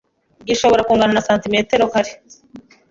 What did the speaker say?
gishobora kungana na santimetero kare